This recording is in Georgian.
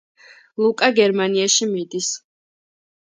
ლუკა გერმანიაში მიდის